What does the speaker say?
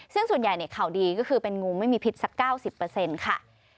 ซึ่งส่วนใหญ่เนี่ยข่าวดีก็คือเป็นงูไม่มีพิษสัก๙๐เปอร์เซ็นต์ค่ะ